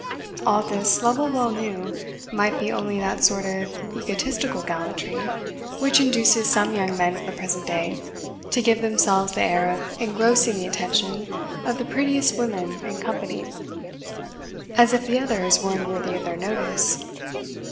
All this, Lovel well knew, might be only that sort of egotistical gallantry which induces some young men of the present day to give themselves the air of engrossing the attention of the prettiest women in company, as if the others were unworthy of their notice.